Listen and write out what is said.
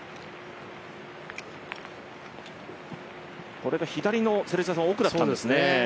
これが左の奥だったんですね。